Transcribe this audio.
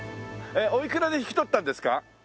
おいくらで引き取ったんですか？